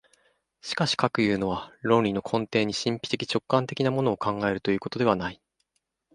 しかしかくいうのは、論理の根底に神秘的直観的なものを考えるということではない。